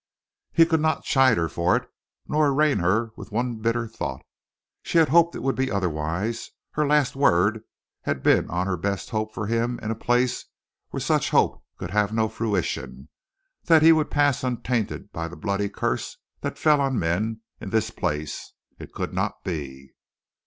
He could not chide her for it, nor arraign her with one bitter thought. She had hoped it would be otherwise; her last word had been on her best hope for him in a place where such hope could have no fruition that he would pass untainted by the bloody curse that fell on men in this place. It could not be.